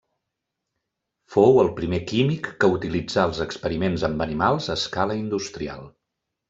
Fou el primer químic que utilitzà els experiments amb animals a escala industrial.